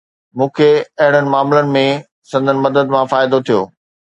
مون کي اهڙن معاملن ۾ سندن مدد مان فائدو ٿيو